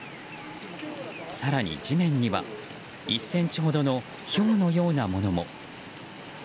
更に、地面には１ｃｍほどのひょうのようなものも。